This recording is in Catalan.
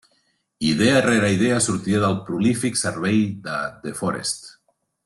Idea rere idea sortia del prolífic cervell de De Forest.